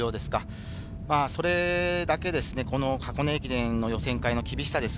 それだけ、この箱根駅伝の予選会の厳しさ。